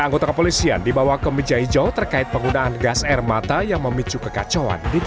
anggota kepolisian dibawa ke meja hijau terkait penggunaan gas air mata yang memicu kekacauan